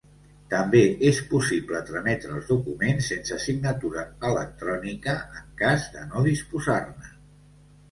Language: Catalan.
També és possible trametre els documents sense signatura electrònica, en cas de no disposar-ne.